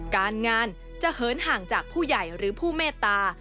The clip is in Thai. การงานจะเหินห่างจากผู้ใหญ่หรือผู้เมตตา